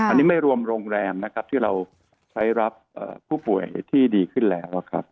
อันนี้ไม่รวมโรงแรมนะครับที่เราใช้รับผู้ป่วยที่ดีขึ้นแล้วครับ